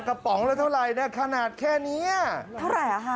กระป๋องแล้วเท่าไรเนี่ยขนาดแค่เนี้ยเท่าไรอ่ะฮะ